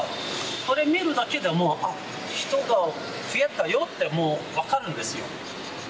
これ見るだけでも、あっ、人が増えたよってもう、分かるんですよ。